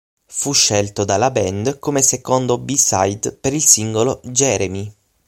Fu scelto dalla band come secondo b-side per il singolo "Jeremy".